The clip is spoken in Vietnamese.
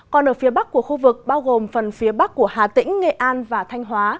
còn ở phía bắc của khu vực bao gồm phần phía bắc của hà tĩnh nghệ an và thanh hóa